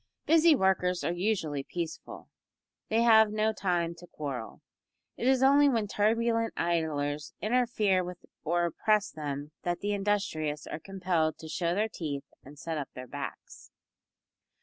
Busy workers are usually peaceful. They have no time to quarrel. It is only when turbulent idlers interfere with or oppress them that the industrious are compelled to show their teeth and set up their backs.